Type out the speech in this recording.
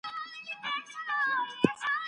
پر مځکي باندي د ګلانو پاڼي پرتې وې.